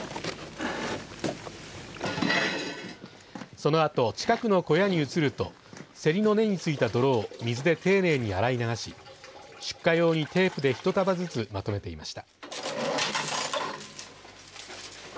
そのあと近くの小屋に移るとせりの根についた泥を水で丁寧に洗い流し出荷用にテープで１束ずつまとめていました。